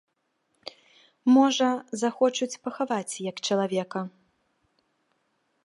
Можа, захочуць пахаваць як чалавека.